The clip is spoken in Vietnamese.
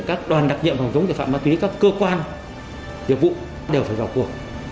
các đoàn đặc nhiệm phòng chống tội phạm ma túy các cơ quan nghiệp vụ đều phải vào cuộc